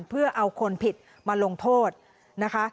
เพื่อเอาคนผิดมาลงโทษนะคะ